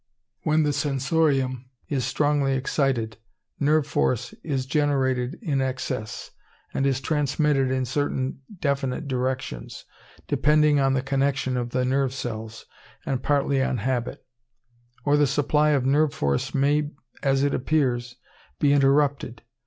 —When the sensorium is strongly excited, nerve force is generated in excess, and is transmitted in certain definite directions, depending on the connection of the nerve cells, and partly on habit: or the supply of nerve force may, as it appears, be interrupted.